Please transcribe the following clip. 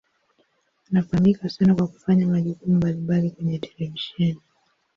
Anafahamika sana kwa kufanya majukumu mbalimbali kwenye televisheni.